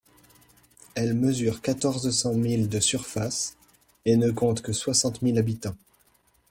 Elle mesure quatorze cents milles de surface, et ne compte que soixante mille habitants.